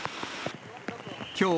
きょう、